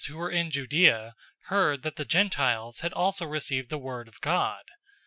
"} who were in Judea heard that the Gentiles had also received the word of God.